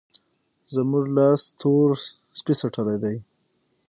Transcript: زموږ لاس تور سپی څټلی دی.